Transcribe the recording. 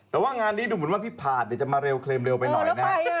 แต่ว่างานนี้ดูเหมือนว่าพี่ผาดจะมาเร็วเคลมเร็วไปหน่อยนะ